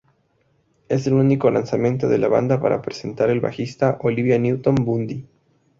Es el único lanzamiento de la banda para presentar al bajista Olivia Newton Bundy.